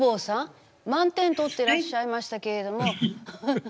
満点取ってらっしゃいましたけれども。